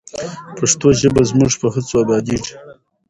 پښتو ژبه زموږ په هڅو ابادیږي.